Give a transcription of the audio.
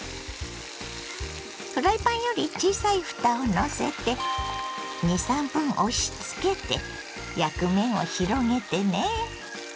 フライパンより小さいふたをのせて２３分押しつけて焼く面を広げてね。